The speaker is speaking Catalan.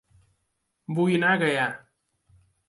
Vull anar a Gaià